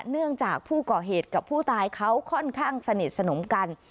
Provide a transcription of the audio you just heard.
เนื่องจากผู้ก่อเหตุกับผู้ตายเขาค่อนข้างสนิทสนมกัน